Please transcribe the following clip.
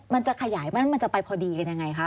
มันจะขยายไหมมันจะไปพอดีกันยังไงคะ